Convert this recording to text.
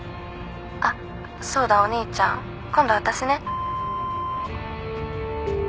あっそうだお兄ちゃん今度私ね。